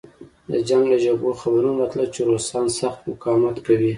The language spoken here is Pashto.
د جنګ له جبهو خبرونه راتلل چې روسان سخت مقاومت کوي